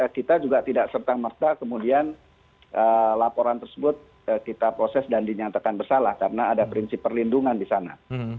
kita juga tidak serta merta kemudian laporan tersebut kita proses dan dinyatakan bersalah karena ada prinsip perlindungan di sana